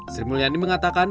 sri mulyani mengatakan